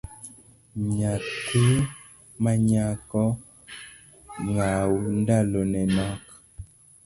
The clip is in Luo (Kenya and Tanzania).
Nyathi manyako ng’aw ndalone nok